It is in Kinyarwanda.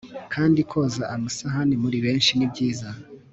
kandi koza amasahani muri beshi nibyiza